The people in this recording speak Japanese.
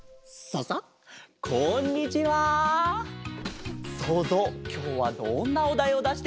そうぞうきょうはどんなおだいをだしてくれるかな？